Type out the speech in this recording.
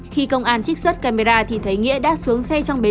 khi công an trích xuất camera thì thấy nghĩa đã xuống xe trong bến